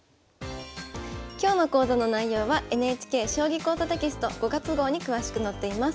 今日の講座の内容はＮＨＫ「将棋講座」テキスト５月号に詳しく載っています。